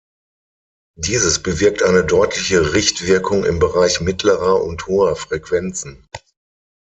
Dieses bewirkt eine deutliche Richtwirkung im Bereich mittlerer und hoher Frequenzen.